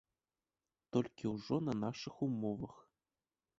Толькі ўжо на нашых умовах.